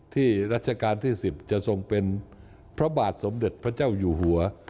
รัชกาลที่๑๐จะทรงเป็นพระบาทสมเด็จพระเจ้าอยู่หัว